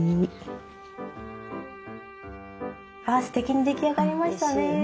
すてきに出来上がりましたね。